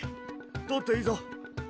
通っていいぞ。